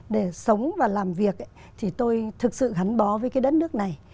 để sống và làm việc thì tôi thực sự gắn bó với cái đất nước này